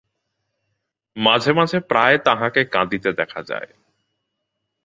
মাঝে মাঝে প্রায় তাঁহাকে কাঁদিতে দেখা যায়।